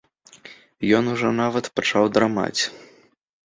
Ён ужо нават пачаў драмаць.